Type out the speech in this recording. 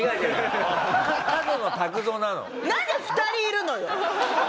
なんで２人いるのよ！